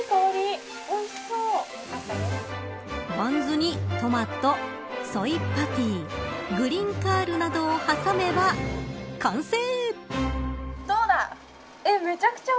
バンズにトマト、ソイパティグリーンカールなどを挟めば完成。